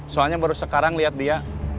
soalnya baru sekarang lihat dia